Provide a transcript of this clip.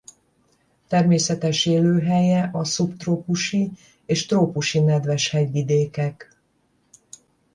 Természetes élőhelye a szubtrópusi és trópusi nedves hegyvidékek.